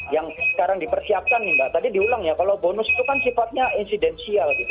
yang sekarang dipersiapkan nih mbak tadi diulang ya kalau bonus itu kan sifatnya insidensial gitu